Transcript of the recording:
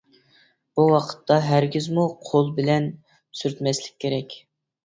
بۇ ۋاقىتتا ھەرگىزمۇ قول بىلەن سۈرتمەسلىك كېرەك.